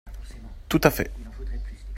Tout à fait